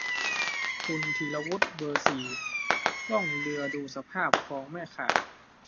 คุณธีรวุฒิ เบอร์ สี่ ล่องเรือดูสภาพคลองแม่ข่า